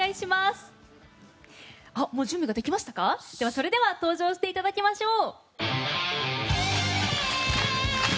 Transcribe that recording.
それでは登場していただきましょう。